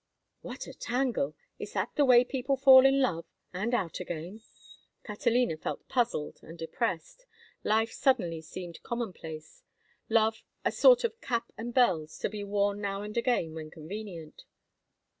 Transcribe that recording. "What a tangle! Is that the way people fall in love—and out again?" Catalina felt puzzled and depressed. Life suddenly seemed commonplace, love a sort of cap and bells, to be worn now and again when convenient.